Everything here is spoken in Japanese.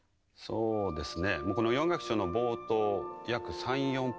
そうですね。